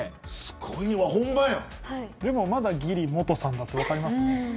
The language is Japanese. でもまだ、ぎりモトさんだって分かりますね。